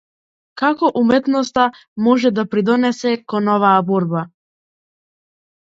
Како уметноста може да придонесе кон оваа борба?